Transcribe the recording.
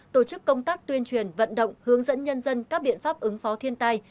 tổ chức công tác tuyên truyền vận động hướng dẫn nhân dân các biện pháp ứng phó thiên tai